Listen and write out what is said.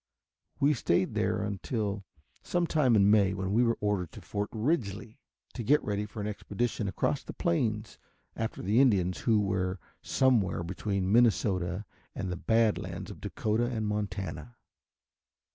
We stayed there until sometime in May when we were ordered to Fort Ridgely, to get ready for an expedition across the plains after the Indians who were somewhere between Minnesota and the Bad Lands of Dakota and Montana.